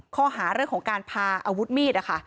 ข้อหาเรื่องของการพาอาวุธมีดนะคะ